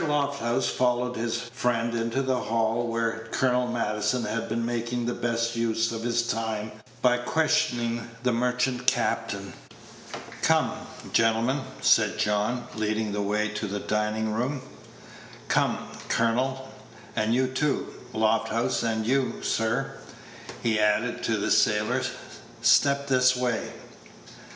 Lofthouse followed his friend into the hall, where Colonel Maddison had been making the best use of his time by questioning the merchant captain. "Come, gentlemen," said John, leading the way to the dining room; "come, colonel, and you too, Lofthouse; and you, sir," he added, to the sailor, "step this way."